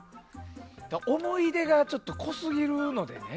思い出がちょっと濃すぎるのでね。